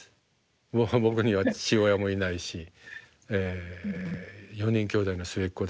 僕には父親もいないし４人きょうだいの末っ子で。